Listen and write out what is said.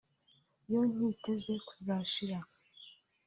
yo ntiteze kuzashira